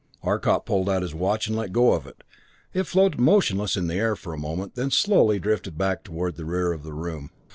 Arcot pulled out his watch and let go of it. It floated motionless in the air for a moment, then slowly drifted back toward the rear of the room.